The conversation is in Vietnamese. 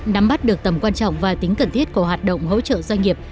nắm bắt được tầm quan trọng và tính cần thiết của hoạt động hỗ trợ doanh nghiệp